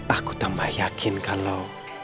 aku tambah yakin kalau